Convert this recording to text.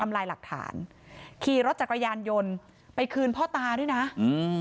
ลายหลักฐานขี่รถจักรยานยนต์ไปคืนพ่อตาด้วยนะอืม